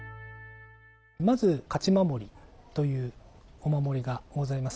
まず「勝守」というお守りがございます。